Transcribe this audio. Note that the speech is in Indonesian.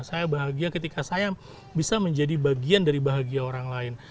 saya bahagia ketika saya bisa menjadi bagian dari bahagia orang lain